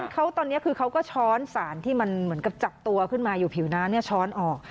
เขาตอนนี้คือเขาก็ช้อนสารที่มันเหมือนกับจับตัวขึ้นมาอยู่ผิวน้ำช้อนออก